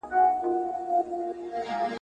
د همدغی ترخې `